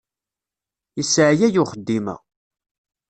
Yesseɛyay uxeddim-a.